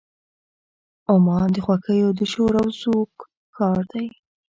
عمان د خوښیو د شور او زوږ ښار دی.